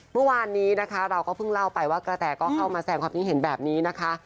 เมื่อวานนี้นะคะเราก็เพิ่งเล่าไปว่ากระแตก็เข้ามาแสงความคิดเห็นแบบนี้นะคะ